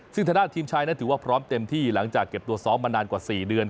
ซึ่งทางด้านทีมชายนั้นถือว่าพร้อมเต็มที่หลังจากเก็บตัวซ้อมมานานกว่า๔เดือน